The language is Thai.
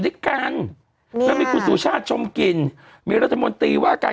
ด้วยกันอืมแล้วมีคุณสุชาติชมกลิ่นมีรัฐมนตรีว่าการ